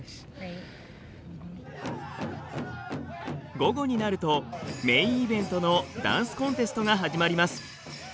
午後になるとメインイベントのダンスコンテストが始まります。